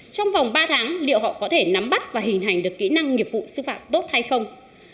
trong vòng ba tháng liệu họ có thể nắm bắt và hình hành được kỹ năng nghiệp vụ sư phạm tốt hay không